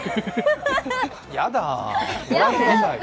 やだ。